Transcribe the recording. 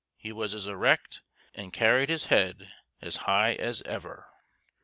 he was as erect and carried his head as high as ever.